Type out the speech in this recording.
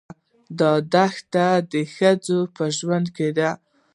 دا دښتې د ښځو په ژوند کې دي.